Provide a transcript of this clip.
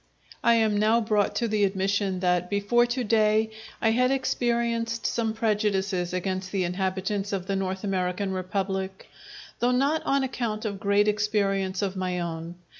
I am now brought to the admission that before to day I had experienced some prejudices against the inhabitants of the North American republic, though not on account of great experience of my own.